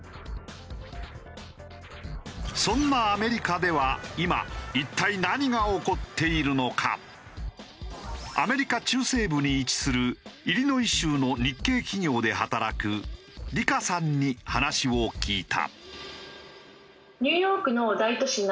そんなアメリカでは今アメリカ中西部に位置するイリノイ州の日系企業で働くリカさんに話を聞いた。